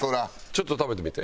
ちょっと食べてみて。